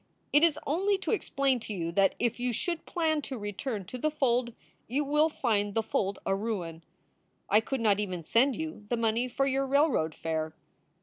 It is only to explain to you that if you should plan to return to the fold you will find the fold a ruin. I could not even send you the money for your railroad fare.